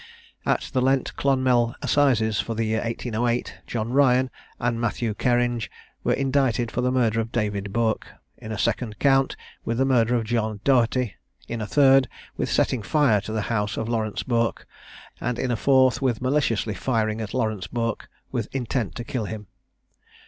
At the Lent Clonmel Assizes for the year 1808, John Ryan and Matthew Kearinge were indicted for the murder of David Bourke; in a second count, with the murder of John Dougherty; in a third, with setting fire to the house of Laurence Bourke; and in a fourth, with maliciously firing at Laurence Bourke, with intent to kill him.